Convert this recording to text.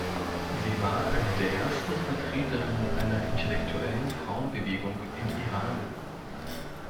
Sie war eine der ersten Vertreterinnen einer intellektuellen Frauenbewegung im Iran.